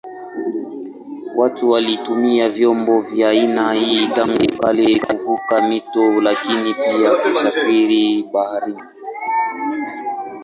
Watu walitumia vyombo vya aina hii tangu kale kuvuka mito lakini pia kusafiri baharini.